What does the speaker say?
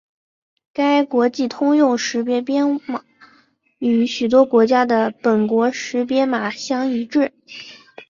该国际通用识别编码与许多国家的本国识别码相一致。